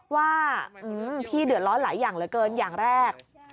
ว่าพี่เดือดร้อนหลายอย่างเหลือเกินอย่างแรก